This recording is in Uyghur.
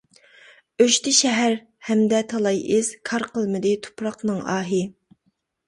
ئۆچتى شەھەر ھەمدە تالاي ئىز، كار قىلمىدى تۇپراقنىڭ ئاھى.